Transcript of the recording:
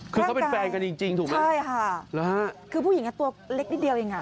เป็นแฟนกันจริงถูกไหมครับใช่ค่ะคือผู้หญิงตัวเล็กนิดเดียวอย่างนั้น